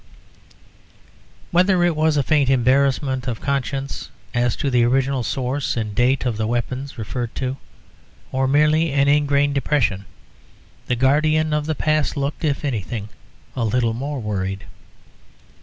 Whether it was a faint embarrassment of conscience as to the original source and date of the weapons referred to, or merely an engrained depression, the guardian of the past looked, if anything, a little more worried.